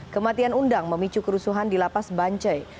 kematian undang memicu kerusuhan di lapas bancai